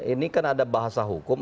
ini kan ada bahasa hukum